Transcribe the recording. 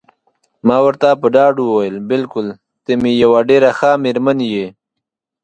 ما ورته په ډاډ وویل: بلکل ته مې یوه ډېره ښه میرمن یې.